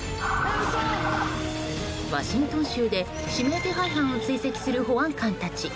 ワシントン州で指名手配犯を追跡する保安官たち。